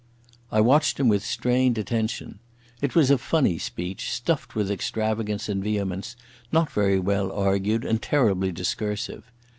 I watched him with strained attention. It was a funny speech, stuffed with extravagance and vehemence, not very well argued and terribly discursive.